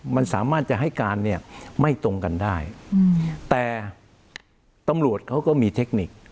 มันสามารถจะให้การเนี่ยไม่ตรงกันได้แต่ตำรวจเขาก็มีเทคนิค